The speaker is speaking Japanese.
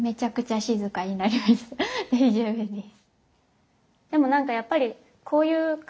大丈夫です。